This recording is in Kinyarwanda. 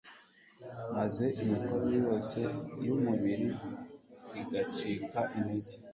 maze imikorere yose y'umubiri igacika intege